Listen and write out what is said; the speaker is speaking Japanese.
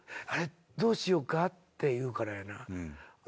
「あれどうしようか」って言うからやな。